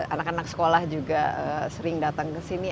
anak anak sekolah juga sering datang ke sini